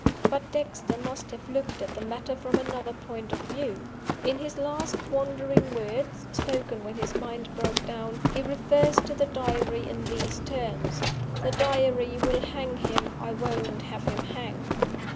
But Dexter must have looked at the matter from another point of view. In his last wandering words (spoken when his mind broke down) he refers to the Diary in these terms, 'The Diary will hang him; I won't have him hanged.